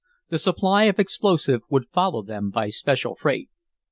The supply of explosive would follow them by special freight.